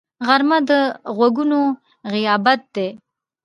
غرمه د غږونو غیابت دی